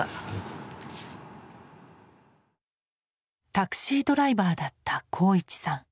タクシードライバーだった鋼一さん。